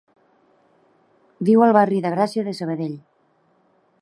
Viu al barri de Gràcia de Sabadell.